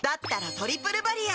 「トリプルバリア」